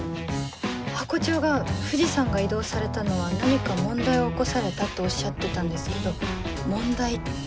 ハコ長が藤さんが異動されたのは何か問題を起こされたっておっしゃってたんですけど問題って。